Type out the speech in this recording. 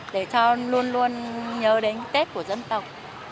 để cho luôn luôn nhớ đến tết của dân tộc